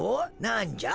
なんじゃ？